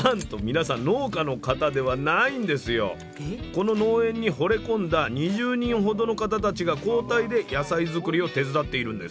この農園にほれ込んだ２０人ほどの方たちが交代で野菜作りを手伝っているんです。